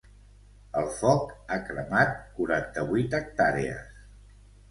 El foc ha cremat quaranta-vuit hectàrees.